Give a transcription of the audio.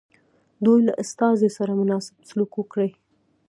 دوی له استازي سره مناسب سلوک وکړي.